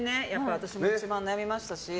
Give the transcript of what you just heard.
私も一番悩みましたし。